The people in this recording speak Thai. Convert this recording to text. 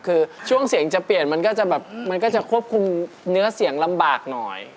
คือช่วงเสียงจะเปลี่ยนมันก็จะแบบมันก็จะควบคุมเนื้อเสียงลำบากหน่อย